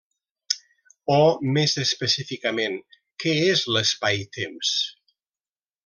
O més específicament: què és l'espaitemps?